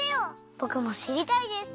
ぼくもしりたいです。